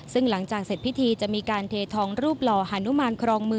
ซึ่งหลังจากเสร็จพิธีจะมีการเททองรูปหล่อ